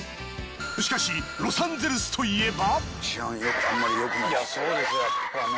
しかしロサンゼルスといえば。